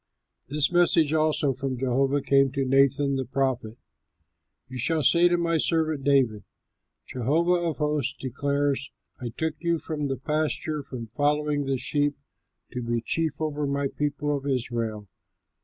This message also from Jehovah came to Nathan, the prophet: "You shall say to my servant David: 'Jehovah of hosts declares, I took you from the pasture from following the sheep to be chief over my people Israel.